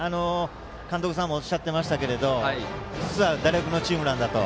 監督さんもおっしゃっていましたが実は打力のチームなんだと。